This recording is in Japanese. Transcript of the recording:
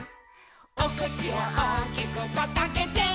「おくちをおおきくパッとあけて」